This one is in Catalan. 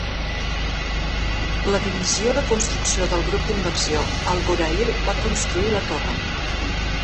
La divisió de construcció del grup d'inversió "Al Ghurair" va construir la torre.